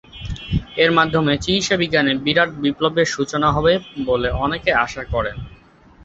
এর মাধ্যমে চিকিৎসাবিজ্ঞানে বিরাট বিপ্লবের সূচনা হবে বলে অনেকে আশা করেন।